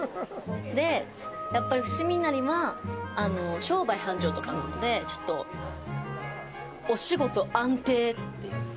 で、やっぱり伏見稲荷は商売繁盛とかなので、ちょっと「お仕事安定！！」っていう。